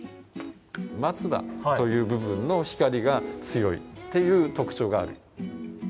松葉という部分の光りが強いっていう特徴がある。